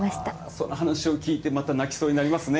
その話を聞いて、また泣きそうになりますね。